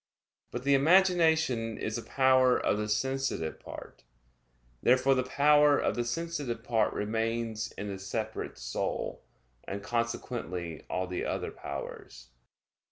But the imagination is a power of the sensitive part. Therefore the power of the sensitive part remains in the separate soul; and consequently all the other powers.